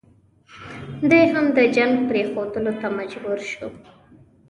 دی هم د جنګ پرېښودلو ته مجبور شو.